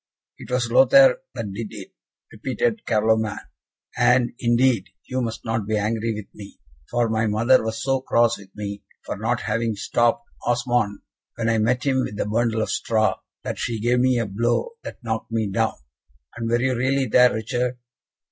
"It was Lothaire that did it," repeated Carloman, "and, indeed, you must not be angry with me, for my mother was so cross with me for not having stopped Osmond when I met him with the bundle of straw, that she gave me a blow, that knocked me down. And were you really there, Richard?"